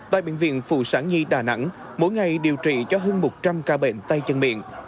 tại bệnh viện phụ sản nhi đà nẵng mỗi ngày điều trị cho hơn một trăm linh ca bệnh tay chân miệng